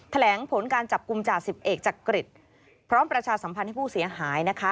แถลงผลการจับกลุ่มจ่าสิบเอกจักริตพร้อมประชาสัมพันธ์ให้ผู้เสียหายนะคะ